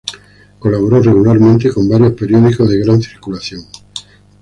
Colaboró regularmente con varios periódicos de gran circulación.